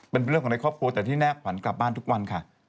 เป็นเรื่องของในครอบครัวแต่ที่แนบขวัญกลับบ้านทุกวันค่ะ